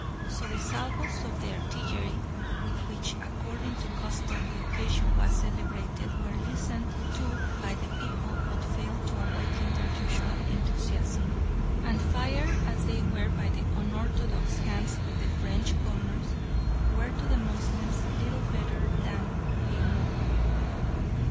So the salvos of artillery with which according to custom the occasion was celebrated were listened to by the people but failed to awaken the usual enthusiasm, and, fired as they were by the unorthodox hands of the French gunners, were to the Moslems little better than a mockery.